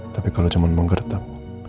tapi kalau cuma menggertap